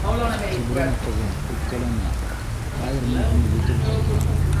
Октябрина ҡыҙым, үпкәләмә, хәҙер мин һине етем ҡалдырам.